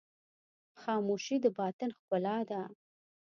خاموشي، د باطن ښکلا ده.